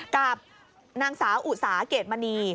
กับนางสาวอุสาเกรดมณี